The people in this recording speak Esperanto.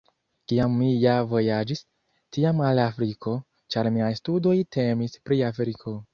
Kiam mi ja vojaĝis, tiam al Afriko, ĉar miaj studoj temis pri Afriko.